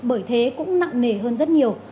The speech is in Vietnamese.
bởi thế cũng nặng nề hơn rất nhiều